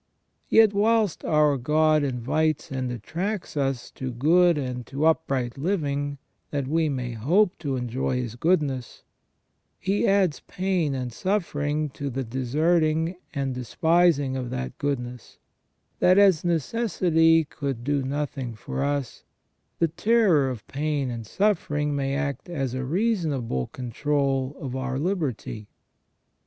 Yet whilst our God invites and attracts us to good and to upright living that we may hope to enjoy His goodness, He adds pain and suffering to the deserting and despising of that goodness, that as necessity could do nothing for us, the terror of pain and suffering may act as a reasonable control of our liberty.